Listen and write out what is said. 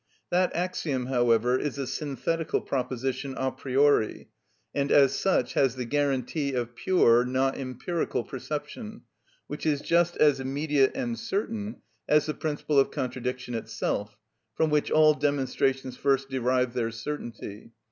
That axiom, however, is a synthetical proposition a priori, and as such has the guarantee of pure, not empirical, perception, which is just as immediate and certain as the principle of contradiction itself, from which all demonstrations first derive their certainty.